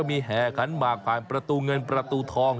มีแห่ขันหมากผ่านประตูเงินประตูทอง